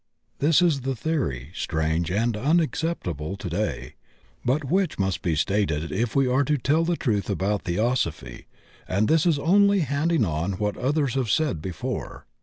This is the theory, strange and unacceptable today, but which must be stated if we are to tell the truth about Theosophy; and this is only handing on what others have said before.